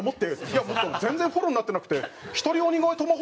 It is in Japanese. いや全然フォローになってなくてすごいな。